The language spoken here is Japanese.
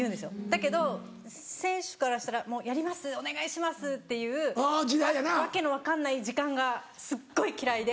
だけど選手からしたら「やりますお願いします」っていう訳の分かんない時間がすっごい嫌いで。